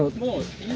いい？